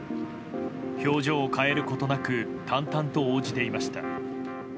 表情を変えることなく淡々と応じていました。